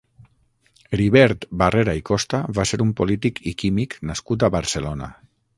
Heribert Barrera i Costa va ser un polític i químic nascut a Barcelona.